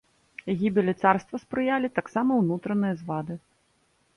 Гібелі царства спрыялі таксама ўнутраныя звады.